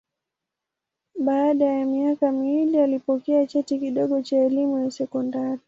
Baada ya miaka miwili alipokea cheti kidogo cha elimu ya sekondari.